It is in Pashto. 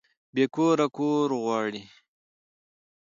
بې کوره کور غواړي